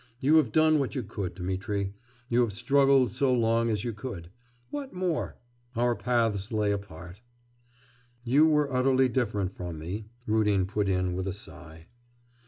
You have done what you could, Dmitri... you have struggled so long as you could... what more? Our paths lay apart,'... 'You were utterly different from me,' Rudin put in with a sigh.